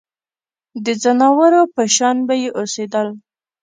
د ځناورو په شان به یې اوسېدل.